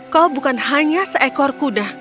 kau bukan hanya seekor kuda